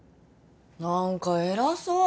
何か偉そう